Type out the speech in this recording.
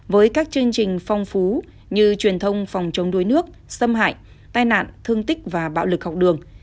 với các chương trình phong phú như truyền thông phòng chống đuối nước xâm hại tai nạn thương tích và bạo lực học đường